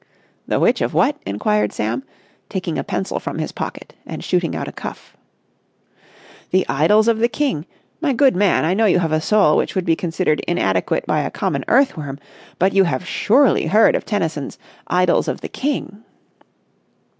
"The which of what?" inquired Sam, taking a pencil from his pocket and shooting out a cuff. "'The Idylls of the King.' My good man, I know you have a soul which would be considered inadequate by a common earthworm but you have surely heard of Tennyson's 'Idylls of the King?